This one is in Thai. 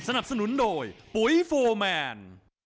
สนับสนุนโดยปุ๋ยโฟร์แมน